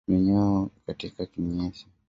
Minyoo katika kinyesi